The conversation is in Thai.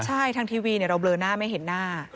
ใช่ทางทีวีเราเลอหน้าไม่เห็นหน้า